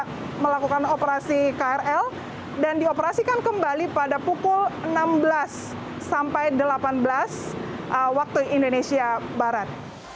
mereka melakukan operasi krl dan dioperasikan kembali pada pukul enam belas sampai delapan belas waktu indonesia barat